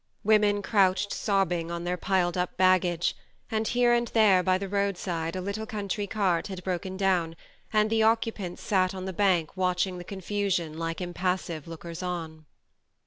Women crouched sobbing on their piled up baggage, and here and there, by the roadside, a little country cart had broken down, and the occupants sat on the bank watching the confusion like impassive lookers on.